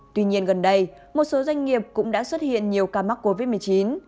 tuy nhiên gần đây một số doanh nghiệp cũng đã xuất hiện nhiều ca mắc covid một mươi chín